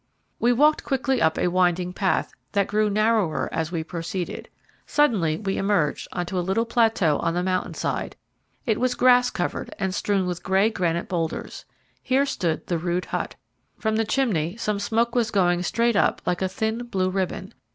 We walked quickly up a winding path, that grew narrower as we proceeded. Suddenly we emerged on to a little plateau on the mountain side. It was grass covered and strewn with grey granite boulders. Here stood the rude hut. From the chimney some smoke was going straight up like a thin, blue ribbon.